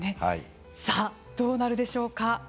さあどうなるでしょうか。